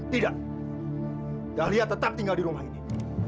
tidak dahlia tetap tinggal di rumah ini